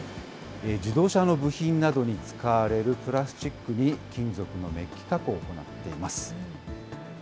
自動車の部品などに使われるプラスチックに、金属のめっき加工を行っています。